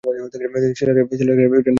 Linate এটা নিয়ে আমাকে উত্যক্ত করত।